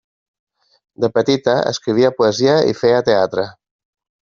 De petita, escrivia poesia i feia teatre.